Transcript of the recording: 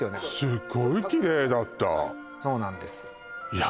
すごいキレイだったそうなんですいや